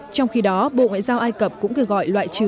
trong khi đó bộ ngoại giao ai cập cũng kêu gọi loại chiến đấu